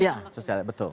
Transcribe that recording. iya sosialisasi betul